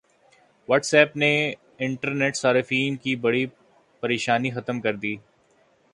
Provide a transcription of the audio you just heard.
what's app نے Android صارفین کی بڑی پریشانی ختم کردی